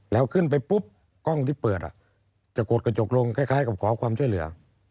แล้วขึ้นไปปุ๊บกล้องที่เปิดจะกดกระจกลงคล้ายกับขอความช่วยเหลือ